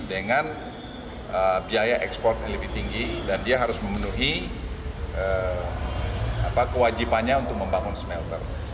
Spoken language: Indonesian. dengan biaya ekspor yang lebih tinggi dan dia harus memenuhi kewajibannya untuk membangun smelter